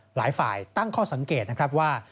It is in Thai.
หลายฝ่ายตั้งข้อสังเกตนะครับว่า